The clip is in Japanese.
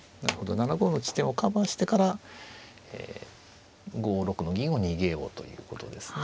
７五の地点をカバーしてから５六の銀を逃げようということですね。